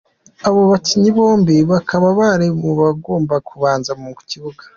Aba bakinnyi bombi bakaba bari mu bagomba kubanza mu kibuga.